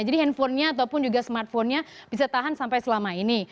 jadi handphonenya ataupun juga smartphone nya bisa tahan sampai selama ini